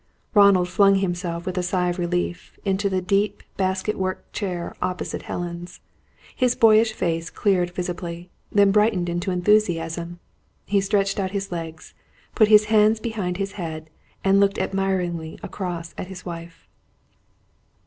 Ronald flung himself, with a sigh of relief, into the deep basket work chair opposite Helen's. His boyish face cleared visibly; then brightened into enthusiasm. He stretched out his legs, put his hands behind his head, and looked admiringly across at his wife.